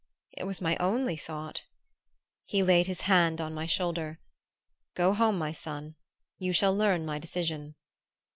"It was my only thought." He laid his hand on my shoulder. "Go home, my son. You shall learn my decision."